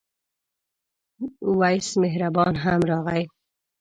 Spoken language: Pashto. وېس مهربان هم راغی.